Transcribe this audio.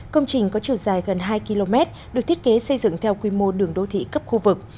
công trình có chiều dài gần hai km được thiết kế xây dựng theo quy mô đường đô thị cấp khu vực